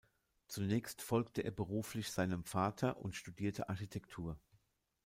Zunächst folgte er beruflich seinem Vater und studierte Architektur.